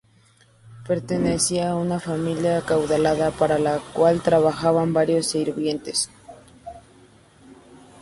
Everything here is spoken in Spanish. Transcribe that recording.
Pertenecía a una familia acaudalada, para la cual trabajaban varios sirvientes.